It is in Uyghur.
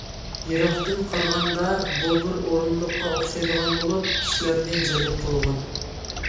يىراقتىن قارىغاندا بۇ بىر ئورۇندۇققا ئوخشايدىغان بولۇپ، كىشىلەرنى جەلپ قىلغان.